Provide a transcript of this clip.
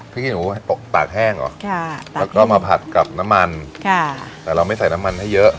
ขี้หนูให้ตากแห้งออกแล้วก็มาผัดกับน้ำมันค่ะแต่เราไม่ใส่น้ำมันให้เยอะ